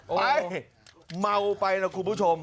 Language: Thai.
เฮ้ยมัวไปครูผู้ชม